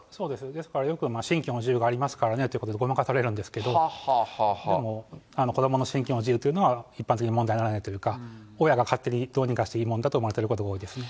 ですから、よく信教の自由がありますからねということでごまかされるんですけど、でも子どもの信教の自由というのは、一般的に問題にならないというか、親が勝手にどうにかしていいと思われてることが多いですね。